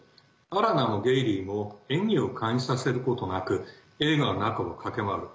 アラナもゲイリーも演技を感じさせることなく映画の中を駆け回る。